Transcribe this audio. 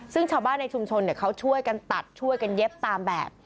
ซึ่งชาวบ้านในชุมชนเขาช่วยกันตัดช่วยกันเย็บตามแบบ